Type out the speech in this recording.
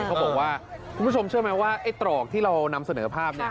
คุณผู้ชมเชื่อไหมว่าไอ้ตรอกที่เรานำเสนอภาพเนี่ย